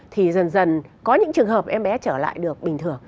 thì dần dần có những trường hợp em bé trở lại được bình thường